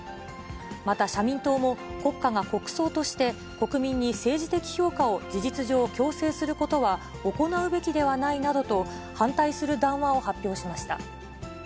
また社民党も、国家が国葬として、国民に政治的評価を事実上強制することは行うべきではないなどと、反対する談話を発表しました。